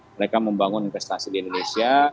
mereka membangun investasi di indonesia